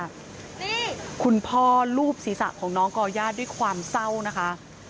นี่คุณพ่อลูบศีรษะของน้องก่อย่าด้วยความเศร้านะคะ